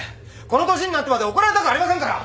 この年になってまで怒られたくありませんから！